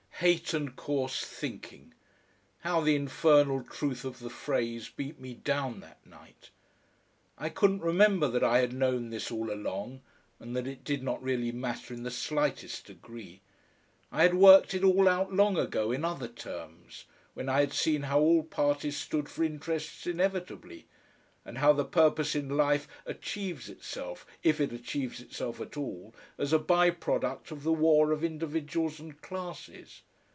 Hate and coarse thinking; how the infernal truth of the phrase beat me down that night! I couldn't remember that I had known this all along, and that it did not really matter in the slightest degree. I had worked it all out long ago in other terms, when I had seen how all parties stood for interests inevitably, and how the purpose in life achieves itself, if it achieves itself at all, as a bye product of the war of individuals and classes.